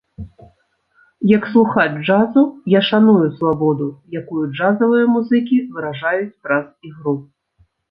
Як слухач джазу, я шаную свабоду, якую джазавыя музыкі выражаюць праз ігру.